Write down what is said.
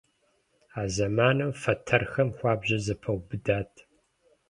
А зэманым фэтэрхэр хуабжьу зэпэубыдат.